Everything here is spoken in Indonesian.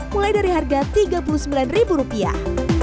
mulai dari harga tiga puluh sembilan ribu rupiah